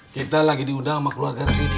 kita lagi di udang sama keluarga rasidi